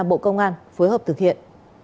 bộ công an phối hợp thực hiện